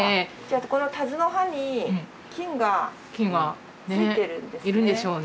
このタズの葉に菌がついてるんですね。